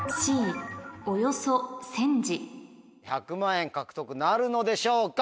１００万円獲得なるのでしょうか。